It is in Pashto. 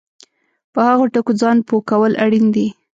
په هغو ټکو ځان پوه کول اړین دي